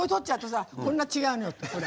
こんな違うのよ、ほら。